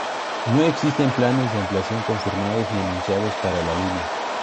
No existen planes de ampliación confirmados ni anunciados para la línea.